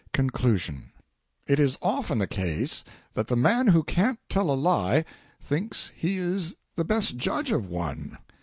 Conclusion It is often the case that the man who can't tell a lie thinks he is the best judge of one.